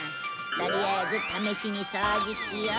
とりあえず試しに掃除機を。